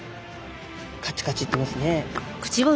カチカチいってますね。